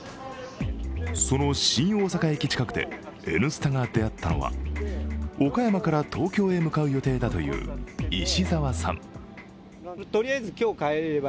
その新大阪駅近くで「Ｎスタ」が出会ったのは岡山から東京へ向かう予定だという石澤さん。